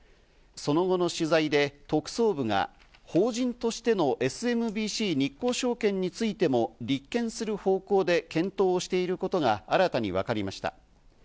その後の取材で特捜部が法人としてのＳＭＢＣ日興証券についても、立件する方向で検討をしていることが新たに分かりました。